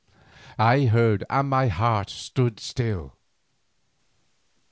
I heard and my heart stood still.